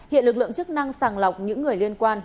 hiện lực lượng chức năng sàng lọc những người liên quan